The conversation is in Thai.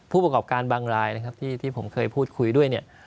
ผู้ประกอบการบางรายที่ผมเคยพูดคุยด้วย